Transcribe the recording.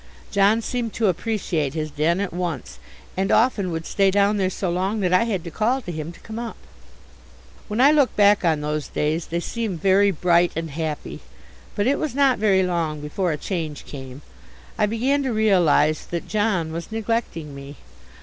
John seemed to appreciate his den at once, and often would stay down there so long that I had to call to him to come up. When I look back on those days they seem very bright and happy. But it was not very long before a change came. I began to realize that John was neglecting me.